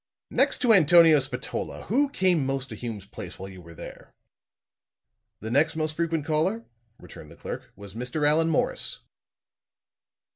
"Next to Antonio Spatola, who came most to Hume's place while you were there?" "The next most frequent caller," returned the clerk, "was Mr. Allan Morris."